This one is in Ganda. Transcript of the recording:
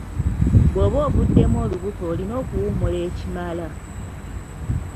Bw'oba ovuddemu olubuto olina okuwummula ekimala.